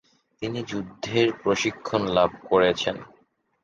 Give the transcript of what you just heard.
তিনি যুদ্ধের প্রশিক্ষণ লাভ করেছেন।